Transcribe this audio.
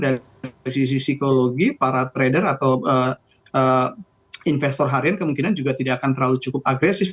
dari sisi psikologi para trader atau investor harian kemungkinan juga tidak akan terlalu cukup agresif